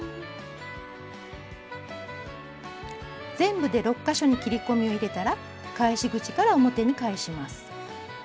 全部で６か所に切り込みを入れたら返し口から表に返します。